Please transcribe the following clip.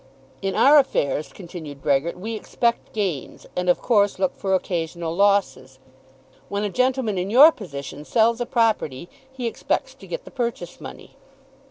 "In our affairs," continued Brehgert, "we expect gains, and of course look for occasional losses. When a gentleman in your position sells a property he expects to get the purchase money."